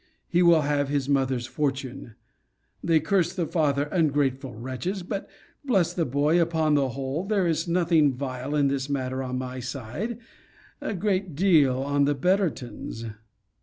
He will have his mother's fortune. They curse the father, ungrateful wretches! but bless the boy Upon the whole, there is nothing vile in this matter on my side a great deal on the Bettertons.